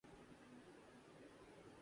. میں پہاڑوں پر تھا.